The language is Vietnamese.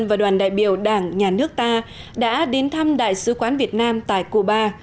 và đoàn đại biểu đảng nhà nước ta đã đến thăm đại sứ quán việt nam tại cuba